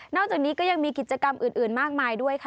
จากนี้ก็ยังมีกิจกรรมอื่นมากมายด้วยค่ะ